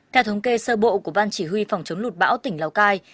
theo thống kê sơ bộ của ban chỉ huy phòng chống lụt bão tỉnh lào cai